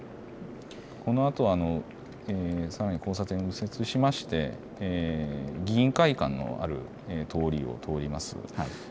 このあとはさらに交差点を右折しまして議員会館のある通りを通ります。